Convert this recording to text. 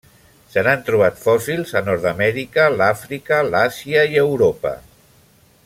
Se n'han trobat fòssils a Nord-amèrica, l'Àfrica, l'Àsia i Europa.